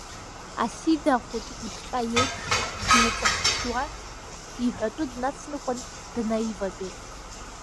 Асида ахәыҷ гәыҭҟьа иеиԥш, деиҵахьҭшьуа иҳәатәы днацныҟәан, днаиватәеит.